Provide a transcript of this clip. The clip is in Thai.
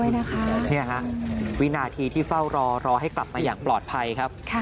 นี่ค่ะวินาทีที่เฝ้ารอรอให้กลับมาอย่างปลอดภัยครับ